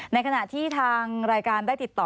ในขณะที่ทางรายการได้ติดต่อ